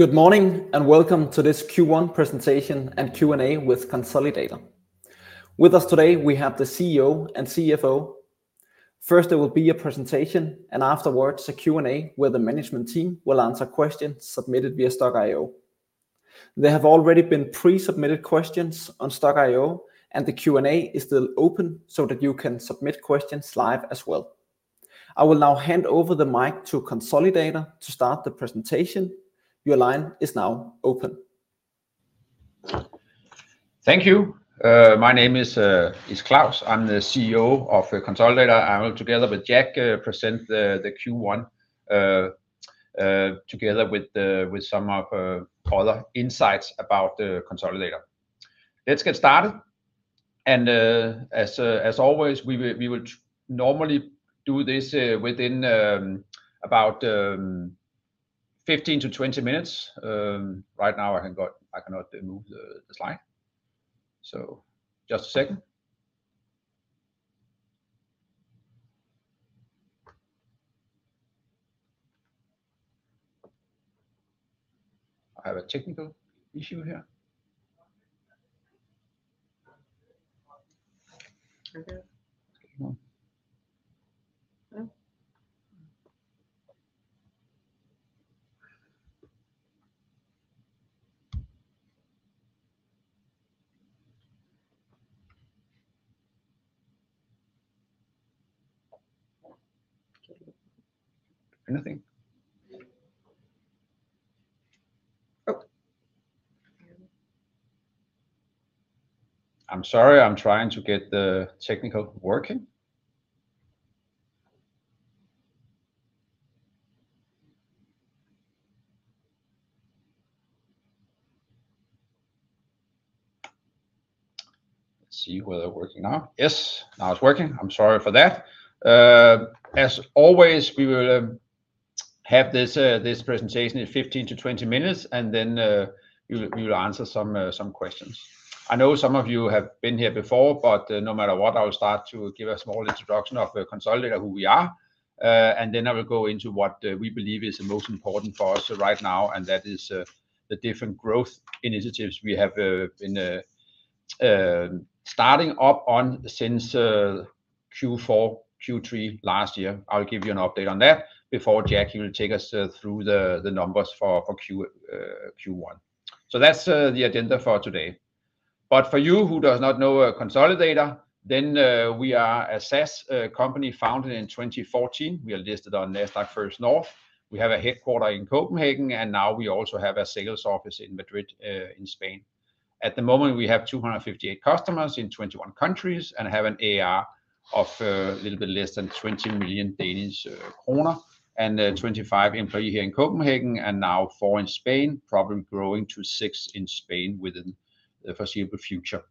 Good morning, and welcome to this Q1 presentation and Q&A with Konsolidator. With us today, we have the CEO and CFO. First, there will be a presentation, and afterwards, a Q&A, where the management team will answer questions submitted via Stokk.io. There have already been pre-submitted questions on Stokk.io, and the Q&A is still open so that you can submit questions live as well. I will now hand over the mic to Konsolidator to start the presentation. Your line is now open. Thank you. My name is Claus. I'm the CEO of Konsolidator. I will, together with Jack, present the Q1, together with with some of other insights about the Konsolidator. Let's get started. As always, we will, we would normally do this within about 15-20 minutes. Right now, I haven't got-- I cannot remove the slide, so just a second. I have a technical issue here. Okay. Hmm. Hmm. Anything? Okay. I'm sorry, I'm trying to get the technical working. Let's see whether working now. Yes, now it's working. I'm sorry for that. As always, we will have this presentation in 15-20 minutes, and then we will answer some questions. I know some of you have been here before, but no matter what, I will start to give a small introduction of the Konsolidator, who we are, and then I will go into what we believe is the most important for us right now, and that is the different growth initiatives we have in starting up on since Q4, Q3 last year. I'll give you an update on that before Jack, he will take us through the numbers for Q1. So that's the agenda for today. But for you who does not know Konsolidator, then we are a SaaS company founded in 2014. We are listed on Nasdaq First North. We have a headquarters in Copenhagen, and now we also have a sales office in Madrid in Spain. At the moment, we have 258 customers in 21 countries, and have an ARR of a little bit less than 20 million Danish kroner, and 25 employees here in Copenhagen, and now four in Spain, probably growing to six in Spain within the foreseeable future.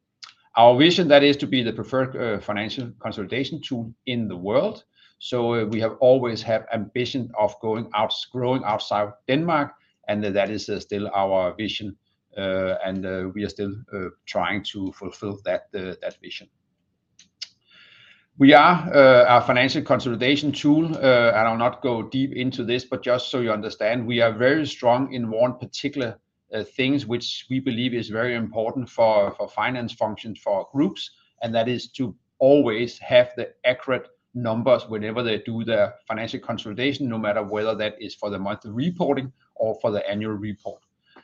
Our vision, that is to be the preferred financial consolidation tool in the world. So we have always had ambition of going out- growing outside Denmark, and that is still our vision, and we are still trying to fulfill that vision. We are a financial consolidation tool. I will not go deep into this, but just so you understand, we are very strong in one particular things which we believe is very important for finance functions, for our groups, and that is to always have the accurate numbers whenever they do their financial consolidation, no matter whether that is for the monthly reporting or for the annual report.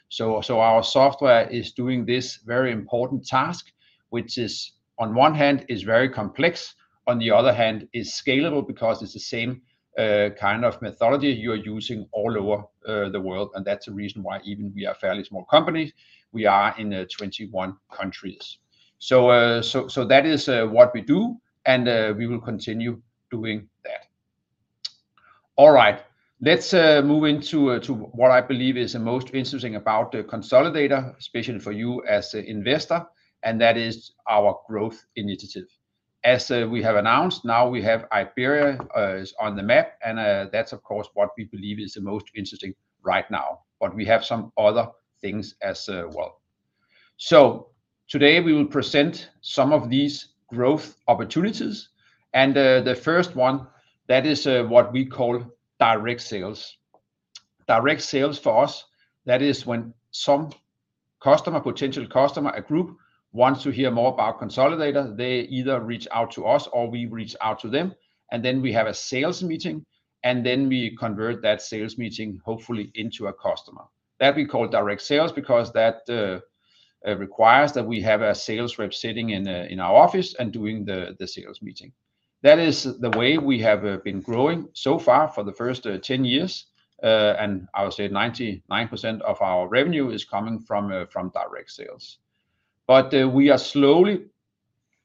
So, so our software is doing this very important task, which is, on one hand, is very complex, on the other hand, is scalable because it's the same kind of methodology you are using all over the world, and that's the reason why even we are fairly small company, we are in 21 countries. So, so, so that is what we do, and we will continue doing that. All right. Let's move into to what I believe is the most interesting about the Konsolidator, especially for you as an investor, and that is our growth initiative. As we have announced, now we have Iberia is on the map, and that's of course what we believe is the most interesting right now, but we have some other things as well. So today, we will present some of these growth opportunities, and the first one, that is what we call direct sales. Direct sales for us, that is when some customer, potential customer, a group, wants to hear more about Konsolidator. They either reach out to us or we reach out to them, and then we have a sales meeting, and then we convert that sales meeting, hopefully into a customer. That we call direct sales because that requires that we have a sales rep sitting in our office and doing the sales meeting. That is the way we have been growing so far for the first 10 years, and I would say 99% of our revenue is coming from direct sales. But, we are slowly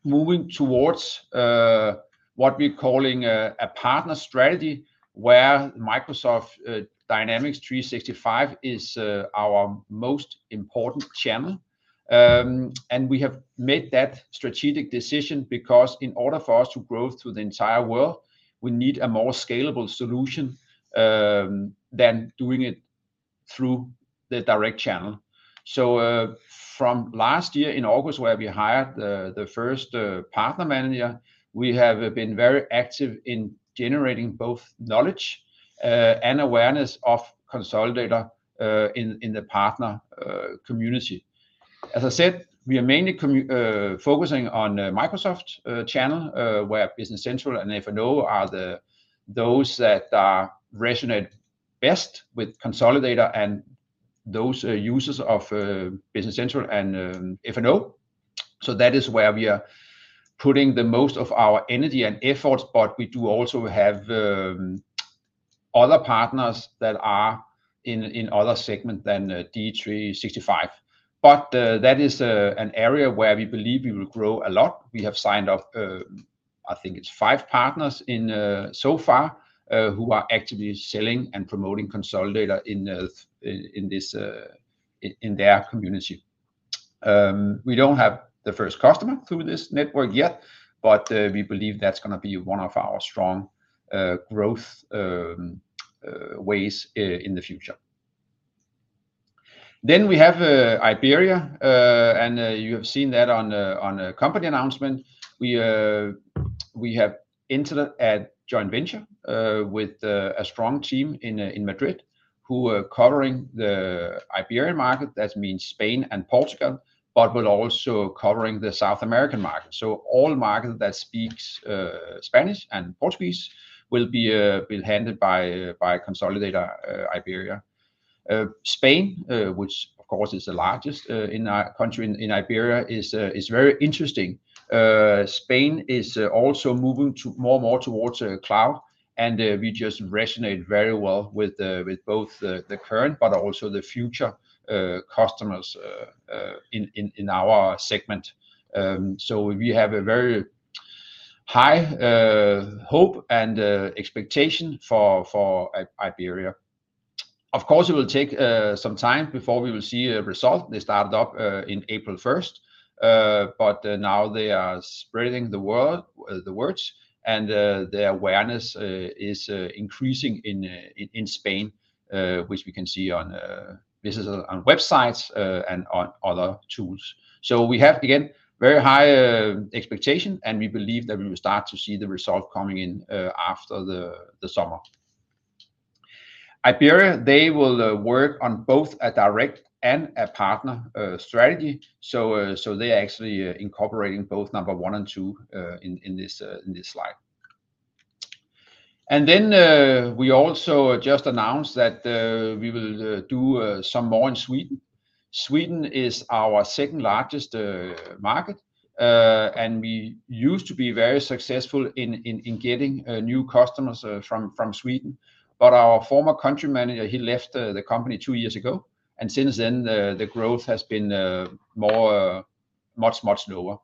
moving towards, what we're calling, a partner strategy, where Microsoft Dynamics 365 is, our most important channel. And we have made that strategic decision because in order for us to grow through the entire world, we need a more scalable solution, than doing it through the direct channel. So, from last year in August, where we hired the first, partner manager, we have been very active in generating both knowledge, and awareness of Konsolidator, in the partner, community. As I said, we are mainly focusing on, Microsoft, channel, where Business Central and F&O are the, those that are resonate best with Konsolidator and those, users of, Business Central and, F&O. So that is where we are putting the most of our energy and efforts, but we do also have other partners that are in other segment than D365. But that is an area where we believe we will grow a lot. We have signed up, I think it's five partners in so far who are actively selling and promoting Konsolidator in their community. We don't have the first customer through this network yet, but we believe that's gonna be one of our strong growth ways in the future. Then we have Iberia, and you have seen that on a company announcement. We have entered a joint venture with a strong team in Madrid, who are covering the Iberian market, that means Spain and Portugal, but will also covering the South American market. So all market that speaks Spanish and Portuguese will be handled by Konsolidator Iberia. Spain, which of course is the largest country in Iberia, is very interesting. Spain is also moving to more and more towards cloud, and we just resonate very well with both the current, but also the future customers in our segment. So we have a very high hope and expectation for Iberia. Of course, it will take some time before we will see a result. They started up in April first. But now they are spreading the word, the words, and the awareness is increasing in Spain, which we can see on visits on websites and on other tools. So we have, again, very high expectation, and we believe that we will start to see the result coming in after the summer. Iberia, they will work on both a direct and a partner strategy. So, so they actually are incorporating both number one and two in this slide. And then, we also just announced that we will do some more in Sweden. Sweden is our second largest market, and we used to be very successful in getting new customers from Sweden. But our former country manager, he left the company two years ago, and since then, the growth has been much, much lower.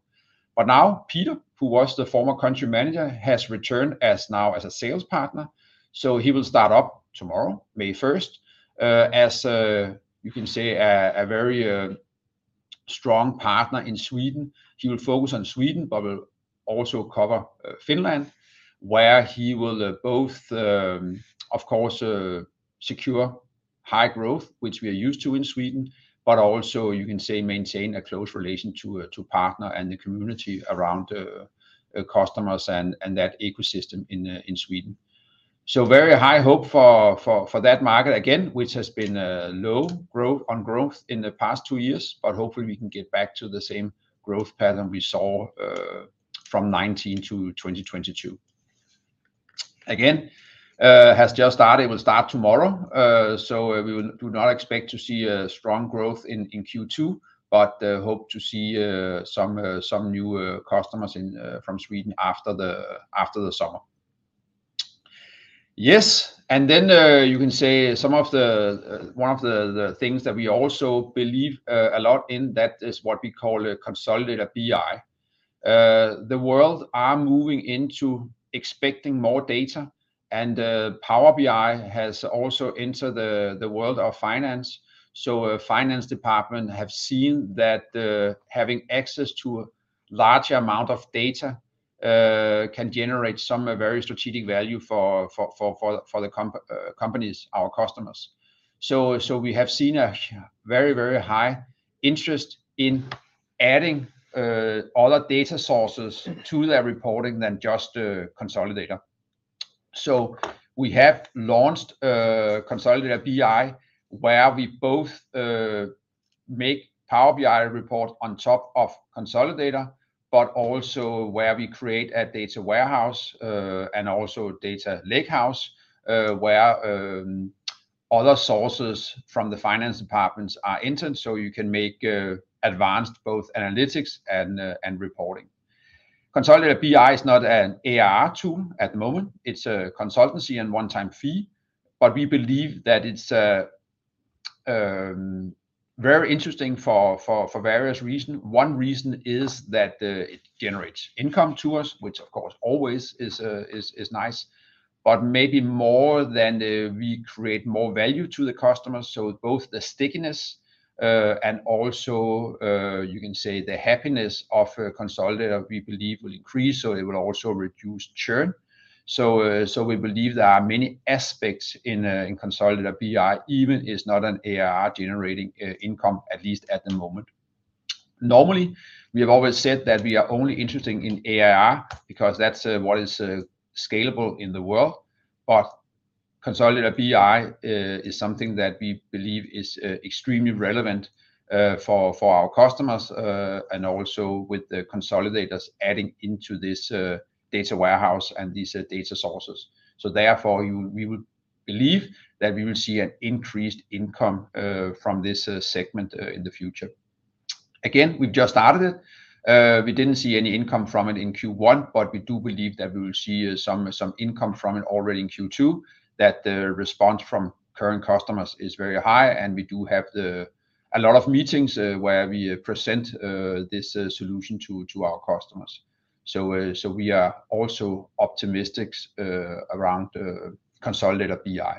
But now, Peter, who was the former country manager, has returned as a sales partner, so he will start up tomorrow, May first, as you can say, a very strong partner in Sweden. He will focus on Sweden, but will also cover Finland, where he will both, of course, secure high growth, which we are used to in Sweden, but also, you can say, maintain a close relation to partner and the community around customers and that ecosystem in Sweden. So very high hope for that market again, which has been low growth, no growth in the past two years, but hopefully we can get back to the same growth pattern we saw from 2019-2022. It has just started, will start tomorrow, so we do not expect to see a strong growth in Q2, but hope to see some new customers from Sweden after the summer. Yes, and then you can say some of the things that we also believe a lot in that is what we call Konsolidator BI. The world are moving into expecting more data, and Power BI has also entered the world of finance. So our finance department have seen that, having access to a large amount of data, can generate some very strategic value for the companies, our customers. So we have seen a very, very high interest in adding other data sources to their reporting than just Konsolidator. So we have launched Konsolidator BI, where we both make Power BI report on top of Konsolidator, but also where we create a data warehouse and also a data lakehouse, where other sources from the finance departments are entered, so you can make advanced both analytics and reporting. Konsolidator BI is not an ARR tool at the moment, it's a consultancy and one-time fee, but we believe that it's very interesting for various reason. One reason is that it generates income to us, which of course always is nice, but maybe more than we create more value to the customers, so both the stickiness and also you can say the happiness of Konsolidator, we believe will increase, so it will also reduce churn. So we believe there are many aspects in Konsolidator BI, even is not an ARR generating income, at least at the moment. Normally, we have always said that we are only interested in ARR because that's what is scalable in the world. But Konsolidator BI is something that we believe is extremely relevant for our customers and also with the Konsolidator's adding into this data warehouse and these data sources. So therefore, we would believe that we will see an increased income from this segment in the future. Again, we've just started it. We didn't see any income from it in Q1, but we do believe that we will see some income from it already in Q2, that the response from current customers is very high, and we do have a lot of meetings where we present this solution to our customers. So, so we are also optimistic around Konsolidator BI.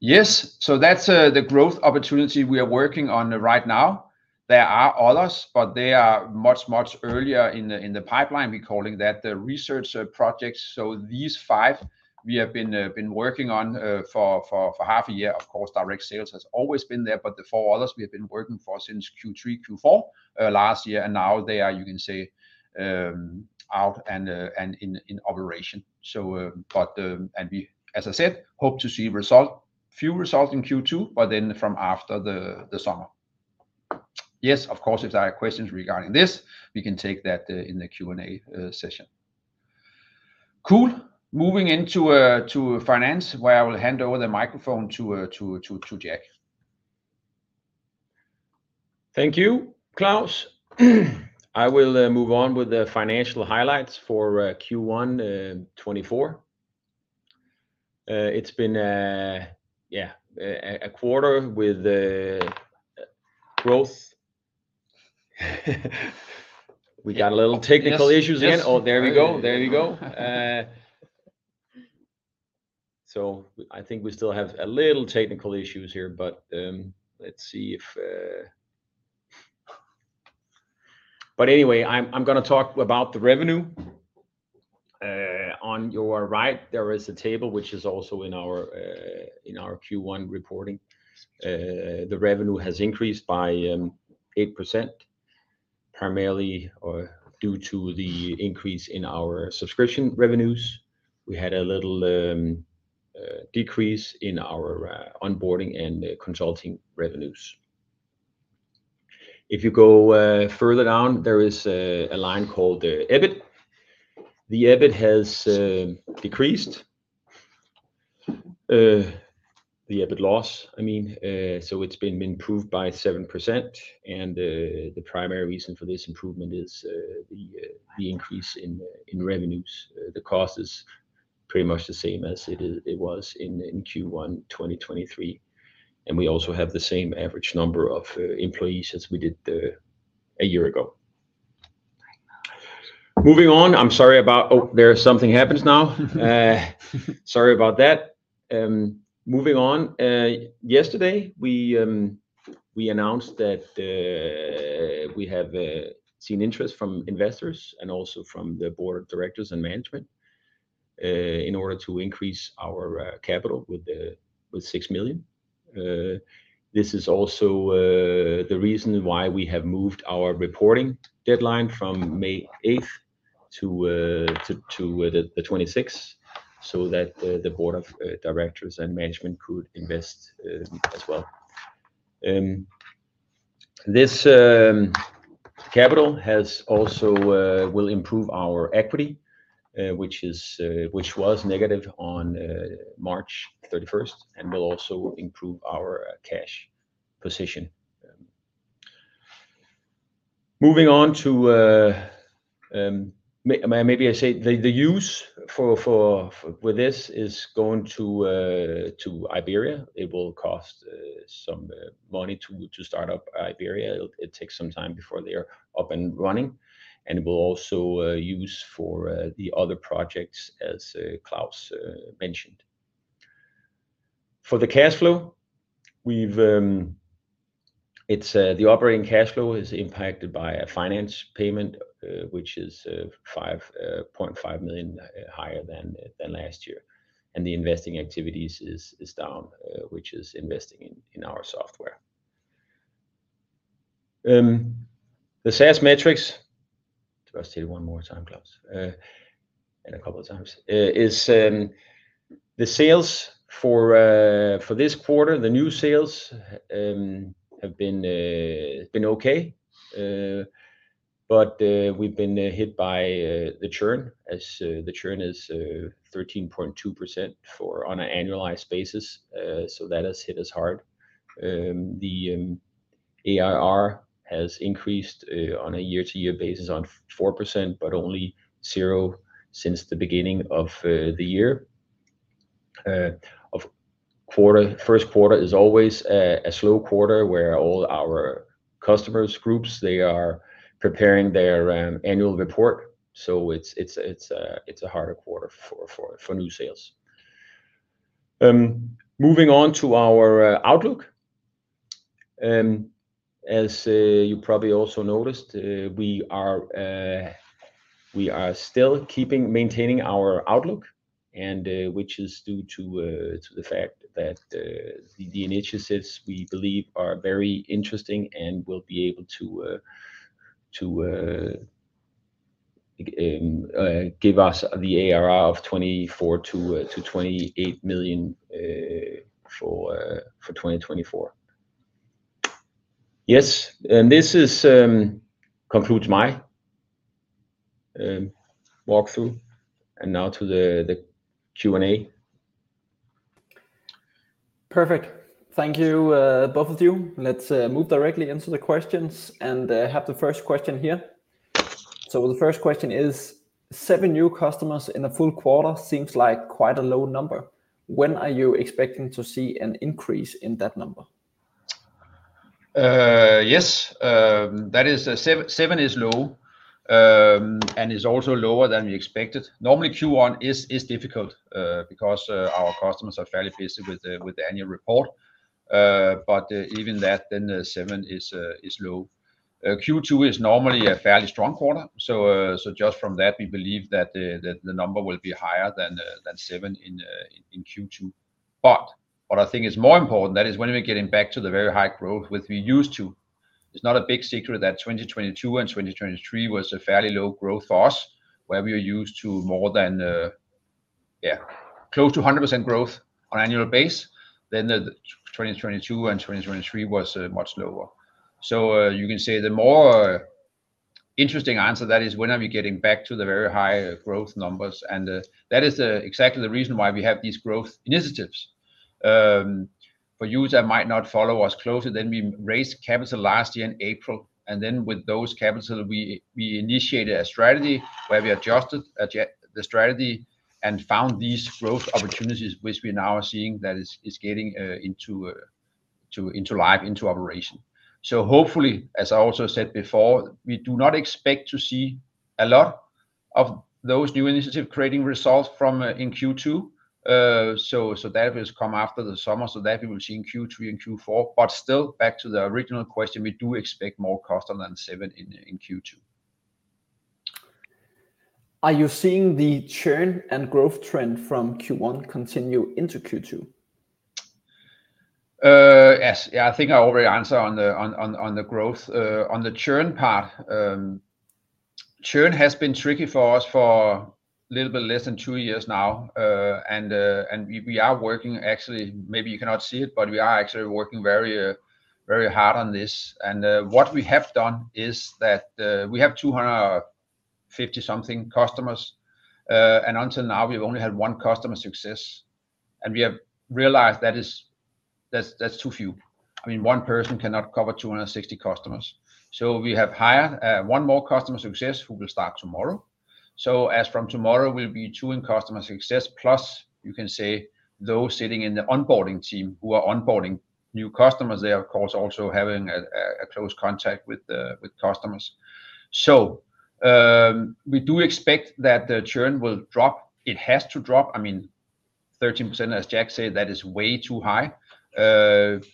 Yes, so that's the growth opportunity we are working on right now. There are others, but they are much, much earlier in the pipeline. We're calling that the research projects. So these five we have been working on for half a year. Of course, direct sales has always been there, but the four others we have been working for since Q3, Q4 last year, and now they are, you can say, out and in operation. So, but. And we, as I said, hope to see result, few results in Q2, but then from after the summer. Yes, of course, if there are questions regarding this, we can take that in the Q&A session. Cool. Moving into to finance, where I will hand over the microphone to Jack. Thank you, Claus. I will move on with the financial highlights for Q1 2024. It's been yeah, a quarter with growth. We got a little technical issues again. Yes. Oh, there we go. There we go. So I think we still have a little technical issues here, but, let's see if... But anyway, I'm gonna talk about the revenue. On your right, there is a table which is also in our in our Q1 reporting. The revenue has increased by 8%, primarily, due to the increase in our subscription revenues. We had a little decrease in our onboarding and consulting revenues. If you go further down, there is a line called the EBIT. The EBIT has decreased. The EBIT loss, I mean, so it's been improved by 7%, and the primary reason for this improvement is the increase in revenues. The cost is pretty much the same as it is, it was in Q1 2023, and we also have the same average number of employees as we did a year ago. Moving on, I'm sorry about, Oh, there's something happening now. Sorry about that. Moving on. Yesterday, we announced that we have seen interest from investors and also from the board of directors and management in order to increase our capital with 6 million. This is also the reason why we have moved our reporting deadline from May 8th to the 26, so that the board of directors and management could invest as well. This capital has also will improve our equity, which was negative on March 31st, and will also improve our cash position. Moving on to, maybe I say the use for with this is going to to Iberia. It will cost some money to start up Iberia. It'll take some time before they are up and running, and it will also use for the other projects, as Claus mentioned. For the cash flow, we've it's the operating cash flow is impacted by a finance payment, which is 5.5 million higher than last year, and the investing activities is down, which is investing in our software. The SaaS metrics, do I say it one more time, Claus? And a couple of times. Is the sales for this quarter, the new sales, have been okay, but we've been hit by the churn as the churn is 13.2% on an annualized basis, so that has hit us hard. The ARR has increased on a year-to-year basis on 4%, but only zero since the beginning of the year. First quarter is always a slow quarter, where all our customers groups, they are preparing their annual report. So it's a harder quarter for new sales. Moving on to our outlook. As you probably also noticed, we are still keeping, maintaining our outlook and, which is due to to the fact that, the initiatives we believe are very interesting and will be able to, to give us the ARR of 24 million-28 million for 2024. Yes, and this concludes my walkthrough. And now to the Q&A. Perfect. Thank you, both of you. Let's move directly into the questions, and have the first question here. So the first question is, seven new customers in a full quarter seems like quite a low number. When are you expecting to see an increase in that number? Yes, that is, seven is low, and is also lower than we expected. Normally, Q1 is, is difficult, because, our customers are fairly busy with the, with the annual report. But even that, then the seven is, is low. Q2 is normally a fairly strong quarter. So, so just from that, we believe that the, the number will be higher than, than seven in, in Q2. But what I think is more important, that is when we are getting back to the very high growth, which we used to. It's not a big secret that 2022 and 2023 was a fairly low growth for us, where we were used to more than, yeah, close to 100% growth on annual basis. Then the 2022 and 2023 was, much lower. So, you can say the more interesting answer that is, when are we getting back to the very high growth numbers? And, that is exactly the reason why we have these growth initiatives. For you that might not follow us closely, then we raised capital last year in April, and then with those capital, we initiated a strategy where we adjusted the strategy and found these growth opportunities, which we now are seeing that is getting into life, into operation. So hopefully, as I also said before, we do not expect to see a lot of those new initiatives creating results from in Q2. So, that will come after the summer, so that we will see in Q3 and Q4. But still, back to the original question, we do expect more customers than seven in Q2. Are you seeing the churn and growth trend from Q1 continue into Q2? Yes. Yeah, I think I already answered on the growth. On the churn part, churn has been tricky for us for a little bit less than two years now. We are working actually, maybe you cannot see it, but we are actually working very hard on this. What we have done is that, we have 250-something customers, and until now, we've only had one customer success, and we have realized that is... that's too few. I mean, one person cannot cover 260 customers. So we have hired one more customer success, who will start tomorrow. So as from tomorrow, we'll be two in customer success, plus, you can say, those sitting in the onboarding team who are onboarding new customers, they are, of course, also having a close contact with the customers. So, we do expect that the churn will drop. It has to drop. I mean, 13%, as Jack said, that is way too high.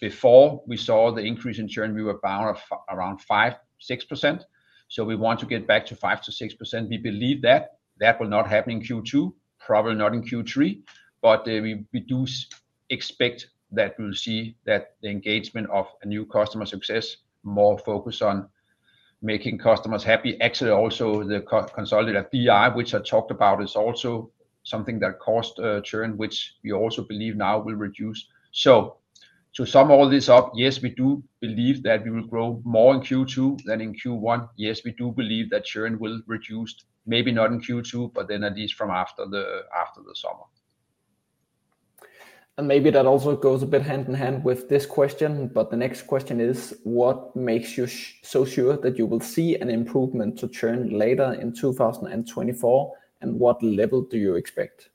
Before we saw the increase in churn, we were about around 5%-6%, so we want to get back to 5%-6%. We believe that that will not happen in Q2, probably not in Q3, but we do expect that we'll see that the engagement of a new customer success, more focus on making customers happy. Actually, also, the Konsolidator BI, which I talked about, is also something that caused churn, which we also believe now will reduce. So to sum all this up, yes, we do believe that we will grow more in Q2 than in Q1. Yes, we do believe that churn will reduce, maybe not in Q2, but then at least from after the, after the summer. Maybe that also goes a bit hand in hand with this question, but the next question is: What makes you so sure that you will see an improvement to churn later in 2024, and what level do you expect?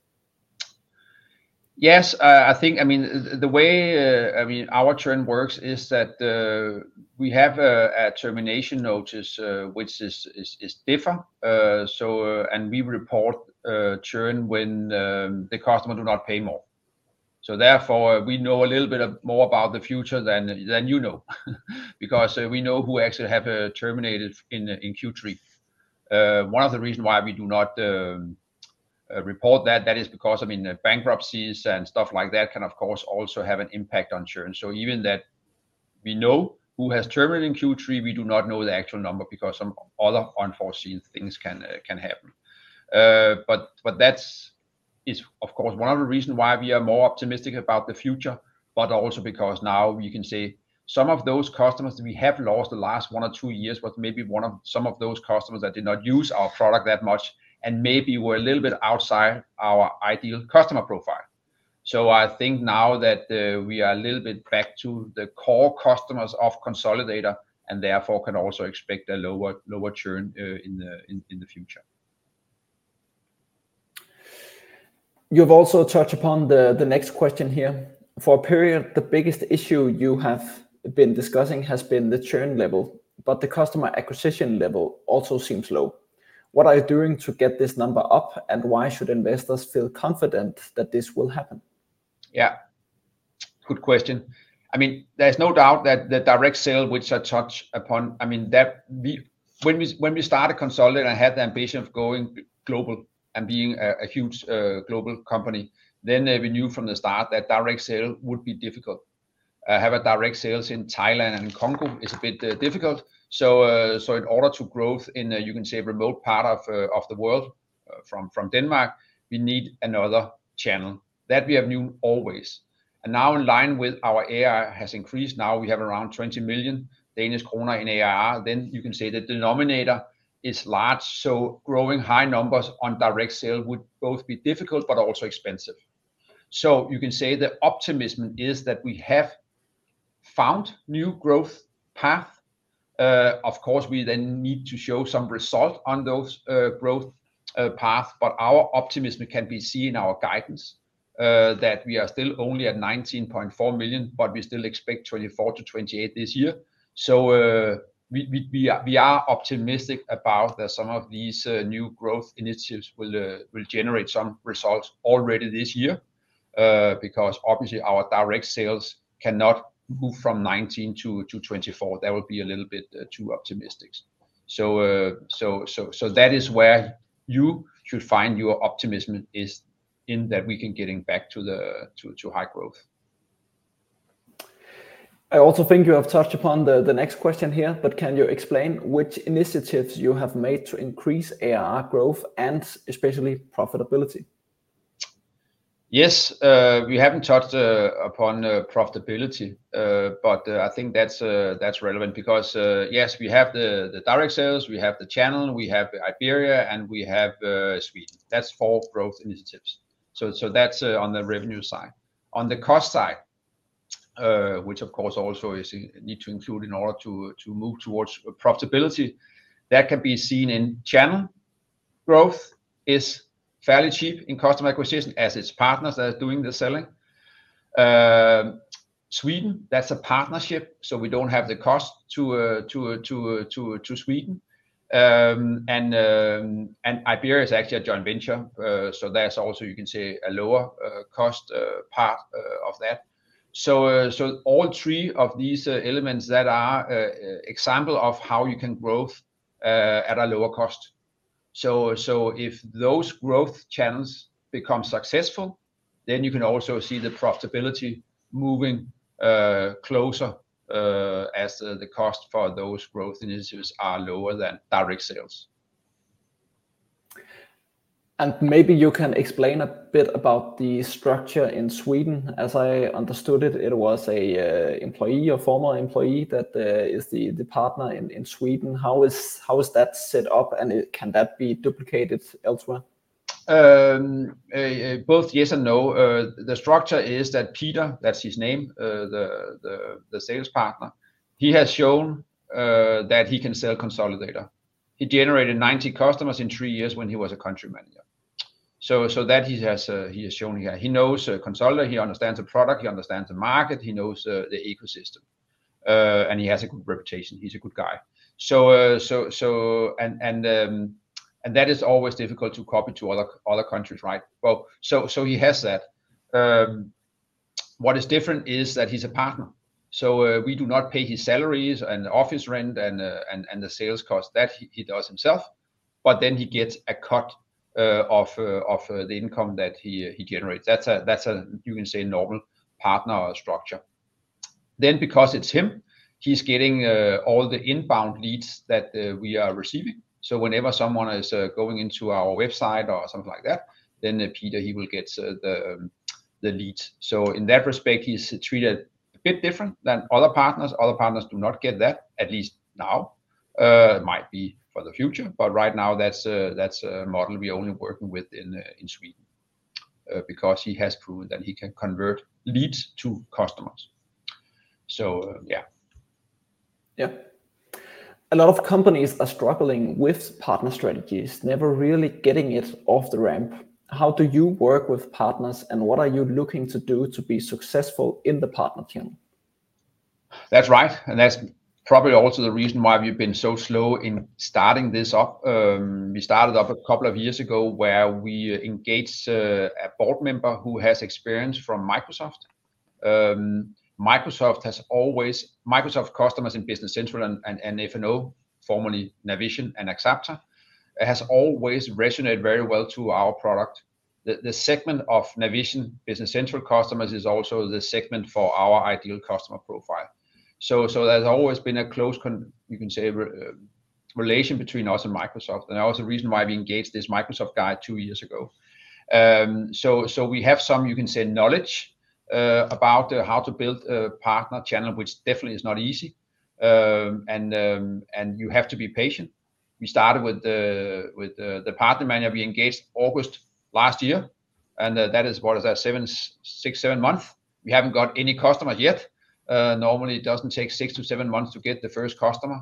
Yes, I think, I mean, the way, I mean, our churn works is that we have a termination notice, which is different. So, and we report churn when the customer do not pay more. So therefore, we know a little bit more about the future than you know, because we know who actually have terminated in Q3. One of the reasons why we do not report that is because, I mean, bankruptcies and stuff like that can, of course, also have an impact on churn. So even that we know who has terminated in Q3, we do not know the actual number because some other unforeseen things can happen. But that is, of course, one of the reasons why we are more optimistic about the future, but also because now you can say some of those customers we have lost the last one or two years was maybe one of some of those customers that did not use our product that much and maybe were a little bit outside our ideal customer profile. So I think now that we are a little bit back to the core customers of Konsolidator and therefore can also expect a lower churn in the future. You've also touched upon the next question here. For a period, the biggest issue you have been discussing has been the churn level, but the customer acquisition level also seems low. What are you doing to get this number up, and why should investors feel confident that this will happen? Yeah, good question. I mean, there's no doubt that the direct sale, which I touched upon, I mean, that when we started Konsolidator, I had the ambition of going global and being a huge global company. Then we knew from the start that direct sale would be difficult. Have a direct sales in Thailand and Congo is a bit difficult. So, so in order to growth in, you can say, remote part of the world, from Denmark, we need another channel. That we have known always. And now in line with our ARR has increased, now we have around 20 million Danish kroner in ARR, then you can say the denominator is large, so growing high numbers on direct sale would both be difficult but also expensive. So you can say the optimism is that we have found new growth path. Of course, we then need to show some result on those growth path, but our optimism can be seen in our guidance that we are still only at 19.4 million, but we still expect 24 million-28 million this year. So we are optimistic about that some of these new growth initiatives will generate some results already this year. Because obviously our direct sales cannot move from 2019-2024, that would be a little bit too optimistic. So that is where you should find your optimism is in that we can get back to the high growth. I also think you have touched upon the next question here, but can you explain which initiatives you have made to increase ARR growth and especially profitability? Yes. We haven't touched upon profitability, but I think that's relevant because, yes, we have the direct sales, we have the channel, we have Iberia, and we have Sweden. That's four growth initiatives. So that's on the revenue side. On the cost side, which of course also is need to include in order to move towards profitability, that can be seen in channel growth, is fairly cheap in customer acquisition as its partners are doing the selling. Sweden, that's a partnership, so we don't have the cost to Sweden. And Iberia is actually a joint venture, so that's also you can say a lower cost part of that. So, so all three of these elements that are example of how you can growth at a lower cost. So, so if those growth channels become successful, then you can also see the profitability moving closer, as the cost for those growth initiatives are lower than direct sales. Maybe you can explain a bit about the structure in Sweden. As I understood it, it was an employee or former employee that is the partner in Sweden. How is that set up, and can that be duplicated elsewhere? Both yes and no. The structure is that Peter, that's his name, the sales partner, he has shown that he can sell Konsolidator. He generated 90 customers in three years when he was a country manager. That he has shown he knows Konsolidator, he understands the product, he understands the market, he knows the ecosystem, and he has a good reputation. He's a good guy. That is always difficult to copy to other countries, right? Well, he has that. What is different is that he's a partner, we do not pay his salaries and office rent and the sales cost, that he does himself. But then he gets a cut of the income that he generates. That's a, that's a, you can say, normal partner structure. Then because it's him, he's getting all the inbound leads that we are receiving. So whenever someone is going into our website or something like that, then Peter, he will get the leads. So in that respect, he's treated a bit different than other partners. Other partners do not get that, at least now. Might be for the future, but right now that's a, that's a model we only working with in Sweden, because he has proven that he can convert leads to customers. So, yeah. Yeah. A lot of companies are struggling with partner strategies, never really getting it off the ramp. How do you work with partners, and what are you looking to do to be successful in the partner channel? That's right, and that's probably also the reason why we've been so slow in starting this up. We started up a couple of years ago, where we engaged a board member who has experience from Microsoft. Microsoft customers in Business Central and F&O, formerly Navision and Axapta, has always resonated very well to our product. The segment of Navision Business Central customers is also the segment for our ideal customer profile. So there's always been a close con—you can say—relation between us and Microsoft, and that was the reason why we engaged this Microsoft guy two years ago. So we have some, you can say, knowledge about how to build a partner channel, which definitely is not easy. And you have to be patient. We started with the partner manager we engaged August last year, and that is, what is that? seven, six, seven months. We haven't got any customers yet. Normally it doesn't take six to seven months to get the first customer,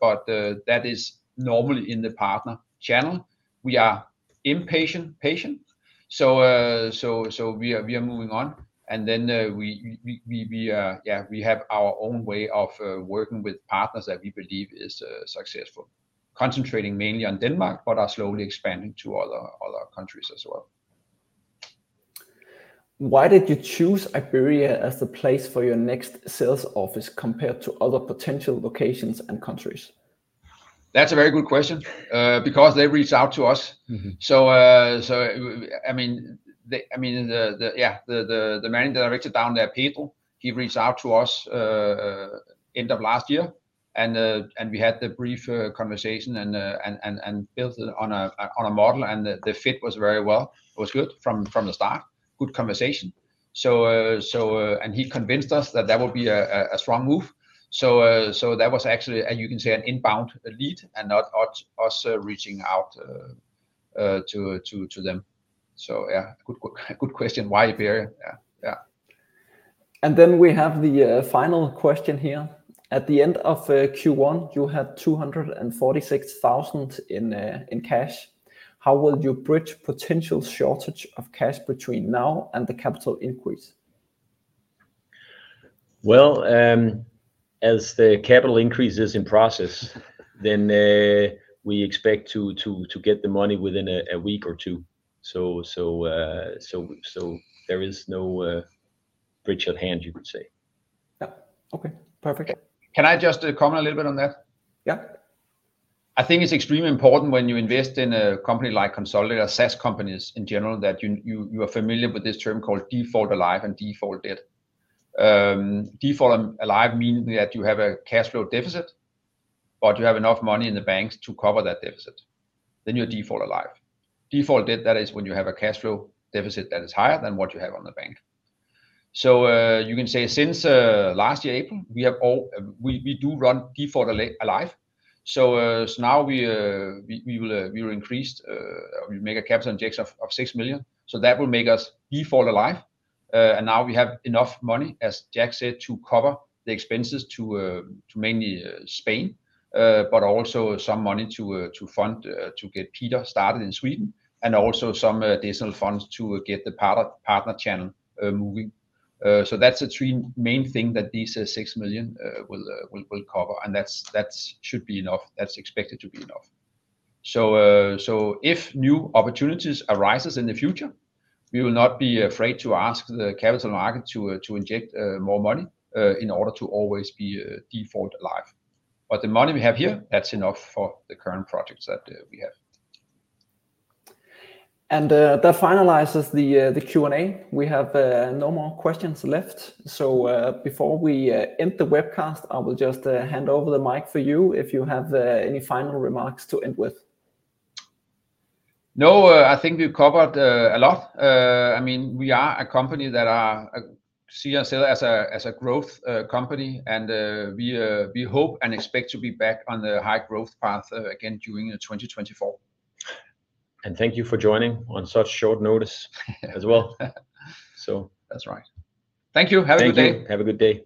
but that is normally in the partner channel. We are impatient, patient. So we are moving on, and then we have our own way of working with partners that we believe is successful. Concentrating mainly on Denmark, but are slowly expanding to other countries as well. Why did you choose Iberia as the place for your next sales office compared to other potential locations and countries? That's a very good question. Because they reached out to us. Mm-hmm. So, I mean, the managing director down there, Peter, he reached out to us, end of last year, and we had the brief conversation and built it on a model, and the fit was very well. It was good from the start, good conversation. So, and he convinced us that that would be a strong move. So, that was actually, as you can say, an inbound lead and not us reaching out to them. So, yeah, good question. Why Iberia? Yeah. And then we have the final question here. At the end of Q1, you had 246,000 in cash. How will you bridge potential shortage of cash between now and the capital increase? Well, as the capital increase is in process, then we expect to get the money within a week or two. So there is no bridge at hand, you could say. Yeah. Okay, perfect. Can I just comment a little bit on that? Yeah. I think it's extremely important when you invest in a company like Konsolidator, or SaaS companies in general, that you are familiar with this term called default alive and default dead. Default alive means that you have a cash flow deficit, but you have enough money in the banks to cover that deficit, then you're default alive. Default dead, that is when you have a cash flow deficit that is higher than what you have on the bank. So you can say since last year, April, we have always run default alive. So now we will increase, we make a capital injection of 6 million, so that will make us default alive. And now we have enough money, as Jack said, to cover the expenses to mainly Spain, but also some money to fund to get Peter started in Sweden, and also some additional funds to get the partner channel moving. So that's the three main thing that this 6 million will cover, and that's should be enough. That's expected to be enough. So if new opportunities arises in the future, we will not be afraid to ask the capital market to inject more money in order to always be default alive. But the money we have here, that's enough for the current projects that we have. That finalizes the Q&A. We have no more questions left. Before we end the webcast, I will just hand over the mic for you if you have any final remarks to end with. No, I think we've covered a lot. I mean, we are a company that see ourselves as a growth company, and we hope and expect to be back on the high growth path again during 2024. And thank you for joining on such short notice as well. So... That's right. Thank you. Have a good day. Thank you. Have a good day.